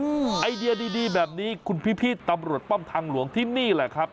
ไอเดียดีดีแบบนี้คุณพี่พี่ตำรวจป้อมทางหลวงที่นี่แหละครับ